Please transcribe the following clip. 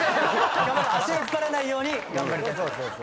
足引っ張らないように頑張りたいと。